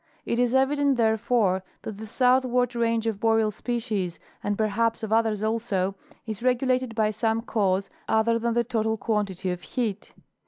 It is evident, therefore, that the southward range of Boreal species, and per haps of others also, is regulated by some cause other than the total quantity of heat.